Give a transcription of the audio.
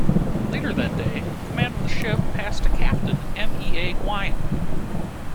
Later that day, command of the ship passed to Captain M. E. A. Gouin.